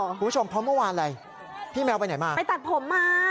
คุณผู้ชมเพราะเมื่อวานอะไรพี่แมวไปไหนมาไปตัดผมมา